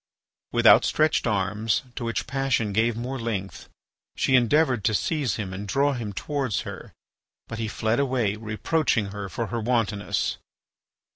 With outstretched arms to which passion gave more length, she endeavoured to seize him and draw him towards her. But he fled away, reproaching her for her wantonness.